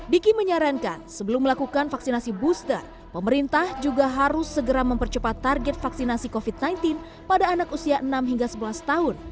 diki menyarankan sebelum melakukan vaksinasi booster pemerintah juga harus segera mempercepat target vaksinasi covid sembilan belas pada anak usia enam hingga sebelas tahun